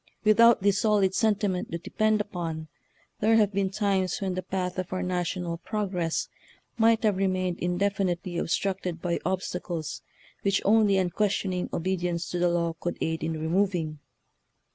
Without this solid sentiment to depend upon, there have been times when the path of our national progress might have remained indefinitely obstructed by obstacles which only unquestioning obedience to the law could aid in removing.